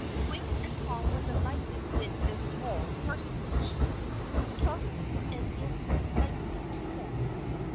Twink and Tom were delighted with this droll personage, who took an instant liking to them.